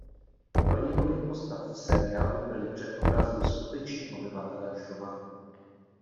Pro několik postav v seriálu byli předobrazem skuteční obyvatelé Šumavy.